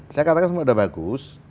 saya katakan semua sudah bagus